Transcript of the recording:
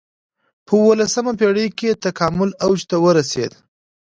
په اولسمه پېړۍ کې د تکامل اوج ته ورسېد.